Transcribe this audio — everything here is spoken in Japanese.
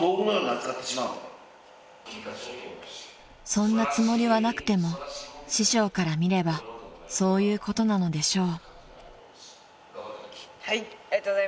［そんなつもりはなくても師匠から見ればそういうことなのでしょう］